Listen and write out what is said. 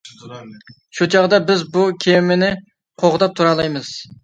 شۇ چاغدا بىز بۇ كېمىنى قوغداپ تۇرالايمىز.